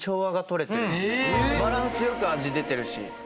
バランスよく味出てるし。